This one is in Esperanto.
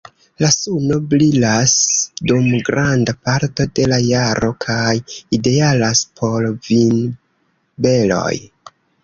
La suno brilas dum granda parto de la jaro kaj idealas por vinberoj.